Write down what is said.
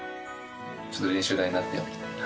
ちょっと練習台になってよみたいな。